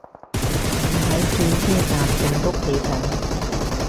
仲喺轉車站棟篤企緊